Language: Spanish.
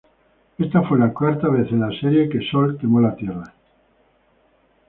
Esta fue la cuarta vez en la serie que el Sol quemó la Tierra.